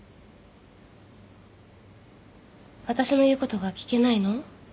私の言うことが聞けないの？